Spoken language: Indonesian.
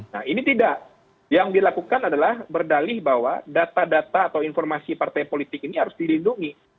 nah ini tidak yang dilakukan adalah berdalih bahwa data data atau informasi partai politik ini harus dilindungi